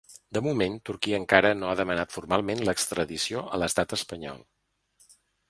De moment, Turquia encara no ha demanat formalment l’extradició a l’estat espanyol.